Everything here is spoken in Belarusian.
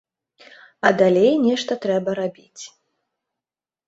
А далей нешта трэба рабіць.